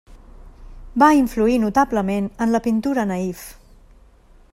Va influir notablement en la pintura naïf.